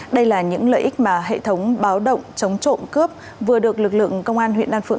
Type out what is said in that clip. đây là những lợi ích mà hệ thống báo động chống trộm cướp vừa được lực lượng công an huyện đan phượng